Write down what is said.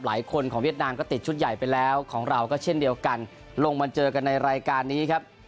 หลายคนของเวียดนามก็ติดชุดใหญ่ไปแล้วของเราก็เช่นเดียวกันลงมาเจอกันในรายการนี้ครับ